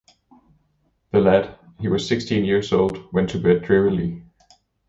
The lad — he was sixteen years old — went to bed drearily.